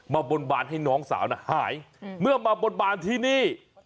บนบานให้น้องสาวน่ะหายเมื่อมาบนบานที่นี่